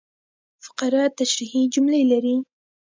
فقره تشریحي جملې لري.